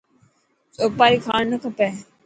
سوپاري کان نه کپي.